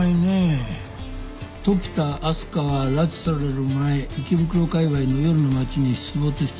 時田明日香は拉致される前池袋かいわいの夜の街に出没してる。